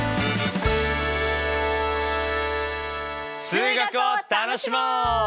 数学を楽しもう！